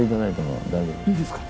いいですか？